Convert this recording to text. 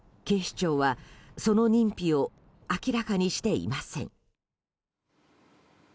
警視庁はその認否を明らかにしていません。